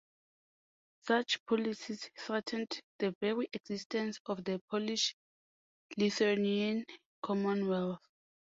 Such policies threatened the very existence of the Polish-Lithuanian Commonwealth.